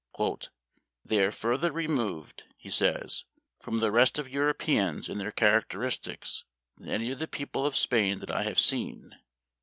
" They are further removed," he says, "from the rest of Europeans in their characteristics than any of the people of Spain that I have seen.